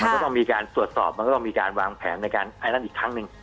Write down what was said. ก็ต้องมีการตรวจสอบมันก็ต้องมีการวางแผนในการไอลันอีกครั้งหนึ่ง